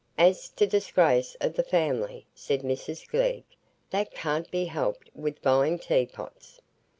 "As to disgrace o' the family," said Mrs Glegg, "that can't be helped wi' buying teapots.